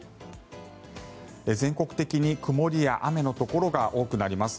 全国的に曇りや雨のところが多くなります。